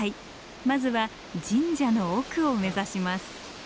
まずは神社の奥を目指します。